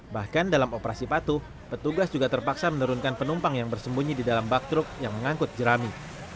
bahkan dalam operasi patuh petugas juga terpaksa menurunkan penumpang yang bersembunyi di dalam bak truk yang mengangkut jerami